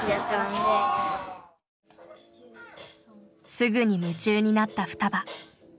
すぐに夢中になったふたば。